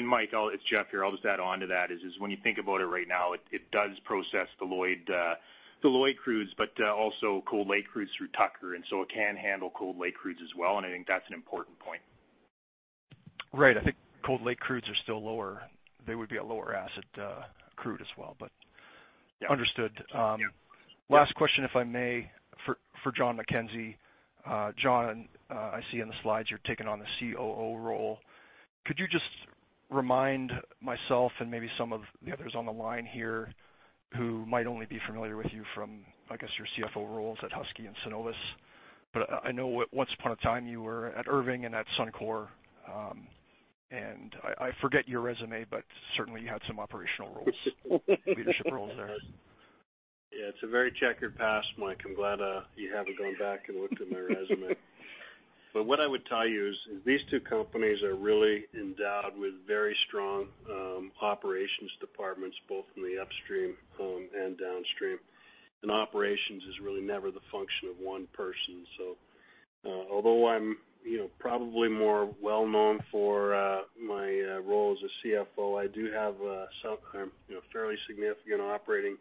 Mike, it's Jeff here. I'll just add on to that is when you think about it right now, it does process the Lloydminster crudes but also Cold Lake crudes through Tucker. It can handle Cold Lake crudes as well. I think that's an important point. Right. I think Cold Lake crudes are still lower. They would be a lower asset crude as well. Understood. Last question, if I may, for Jon McKenzie. Jon, I see in the slides you're taking on the COO role. Could you just remind myself and maybe some of the others on the line here who might only be familiar with you from, I guess, your CFO roles at Husky and Cenovus? I know at one point in time you were at Irving and at Suncor. I forget your resume, but certainly you had some operational roles, leadership roles there. Yeah. It's a very checkered past, Mike. I'm glad you haven't gone back and looked at my resume. What I would tell you is these two companies are really endowed with very strong operations departments, both in the upstream and downstream. Operations is really never the function of one person. Although I'm probably more well-known for my role as a CFO, I do have a fairly significant operating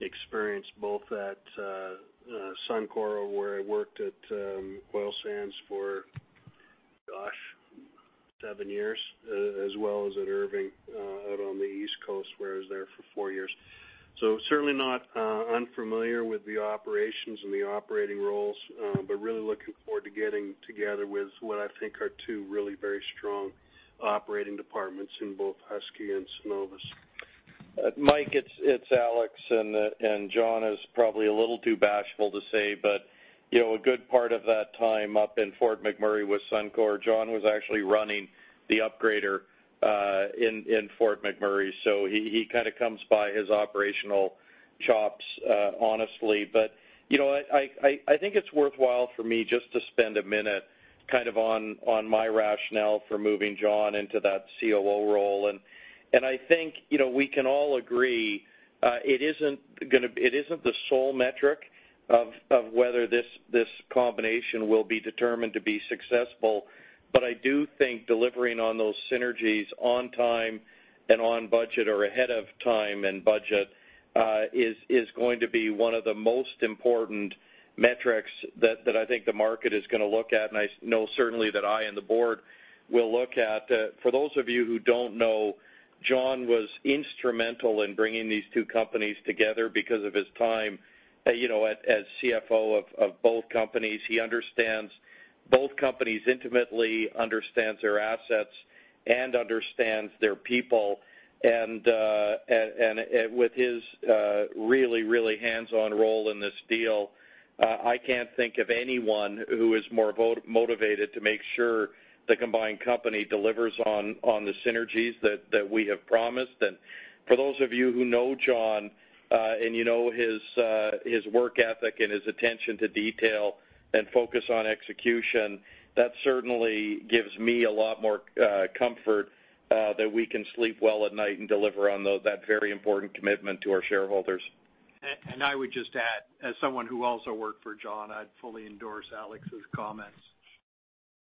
experience, both at Suncor where I worked at Oil Sands for, gosh, seven years, as well as at Irving out on the East Coast where I was there for four years. Certainly not unfamiliar with the operations and the operating roles, but really looking forward to getting together with what I think are two really very strong operating departments in both Husky and Cenovus. Mike, it's Alex. John is probably a little too bashful to say, but a good part of that time up in Fort McMurray with Suncor, John was actually running the upgrader in Fort McMurray. He kind of comes by his operational chops, honestly. I think it's worthwhile for me just to spend a minute kind of on my rationale for moving John into that COO role. I think we can all agree it isn't the sole metric of whether this combination will be determined to be successful. I do think delivering on those synergies on time and on budget or ahead of time and budget is going to be one of the most important metrics that I think the market is going to look at. I know certainly that I and the board will look at. For those of you who don't know, Jon was instrumental in bringing these two companies together because of his time as CFO of both companies. He understands both companies intimately, understands their assets, and understands their people. With his really, really hands-on role in this deal, I can't think of anyone who is more motivated to make sure the combined company delivers on the synergies that we have promised. For those of you who know Jon and you know his work ethic and his attention to detail and focus on execution, that certainly gives me a lot more comfort that we can sleep well at night and deliver on that very important commitment to our shareholders. I would just add, as someone who also worked for Jon, I'd fully endorse Alex's comments.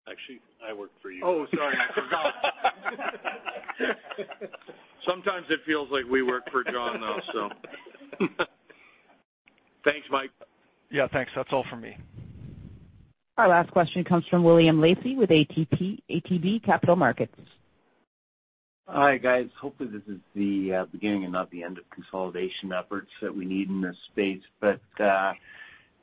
Actually, I worked for you. Oh, sorry. I forgot. Sometimes it feels like we work for Jon now, so. Thanks, Mike. Yeah. Thanks. That's all from me. Our last question comes from William Lacey with ATB Capital Markets. Hi, guys. Hopefully, this is the beginning and not the end of consolidation efforts that we need in this space. A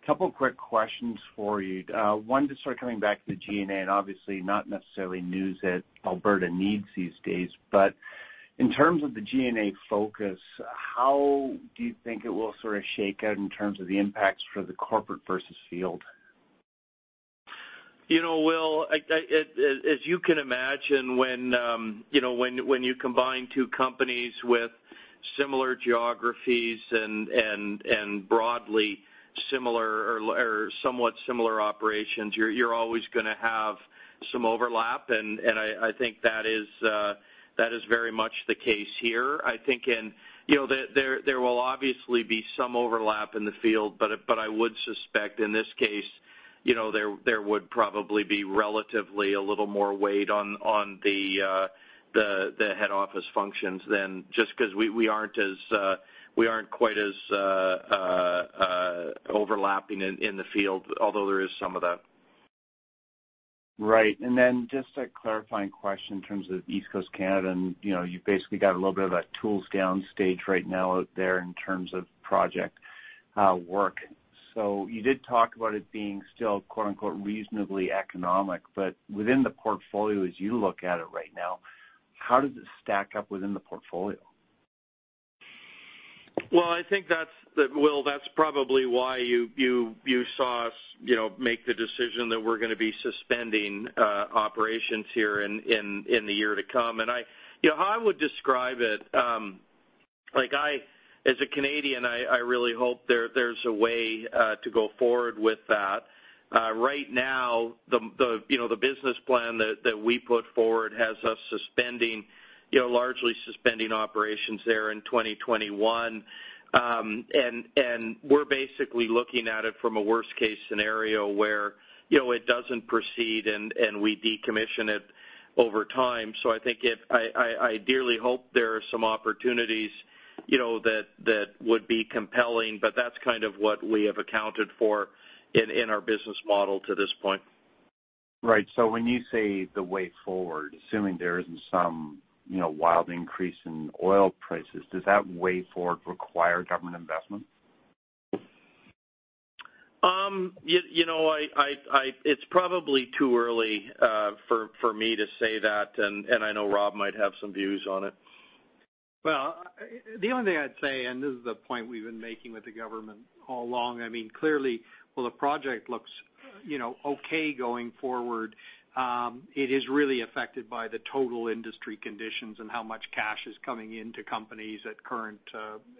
couple of quick questions for you. One, just sort of coming back to the G&A, and obviously not necessarily news that Alberta needs these days. In terms of the G&A focus, how do you think it will sort of shake out in terms of the impacts for the corporate versus field? As you can imagine, when you combine two companies with similar geographies and broadly similar or somewhat similar operations, you're always going to have some overlap. I think that is very much the case here. I think there will obviously be some overlap in the field. I would suspect in this case, there would probably be relatively a little more weight on the head office functions than just because we aren't quite as overlapping in the field, although there is some of that. Right. Just a clarifying question in terms of East Coast Canada. You have basically got a little bit of that tools downstage right now out there in terms of project work. You did talk about it being still "reasonably economic." Within the portfolio, as you look at it right now, how does it stack up within the portfolio? I think that's probably why you saw us make the decision that we're going to be suspending operations here in the year to come. How I would describe it, as a Canadian, I really hope there's a way to go forward with that. Right now, the business plan that we put forward has us largely suspending operations there in 2021. We're basically looking at it from a worst-case scenario where it doesn't proceed and we decommission it over time. I dearly hope there are some opportunities that would be compelling. That's kind of what we have accounted for in our business model to this point. Right. When you say the way forward, assuming there isn't some wild increase in oil prices, does that way forward require government investment? It's probably too early for me to say that. I know Rob might have some views on it. The only thing I'd say, and this is the point we've been making with the government all along, I mean, clearly, while the project looks okay going forward, it is really affected by the total industry conditions and how much cash is coming into companies at current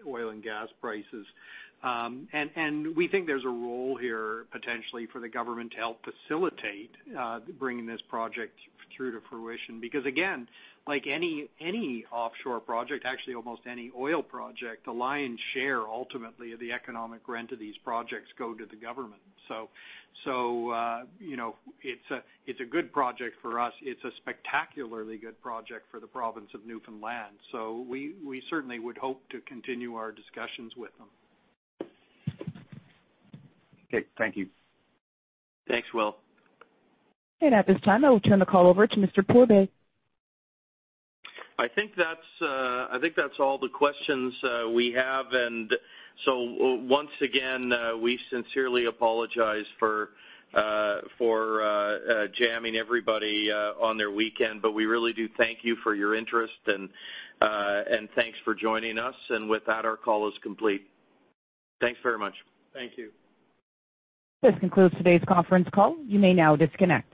oil and gas prices. We think there's a role here potentially for the government to help facilitate bringing this project through to fruition. Because again, like any offshore project, actually almost any oil project, the lion's share ultimately of the economic rent of these projects go to the government. It is a good project for us. It is a spectacularly good project for the province of Newfoundland. We certainly would hope to continue our discussions with them. Okay. Thank you. Thanks, Will. At this time, I will turn the call over to Mr. Pourbaix. I think that's all the questions we have. Once again, we sincerely apologize for jamming everybody on their weekend. We really do thank you for your interest. Thanks for joining us. With that, our call is complete. Thanks very much. Thank you. This concludes today's conference call. You may now disconnect.